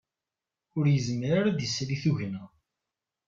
Ur yezmir ara ad d-isali tugna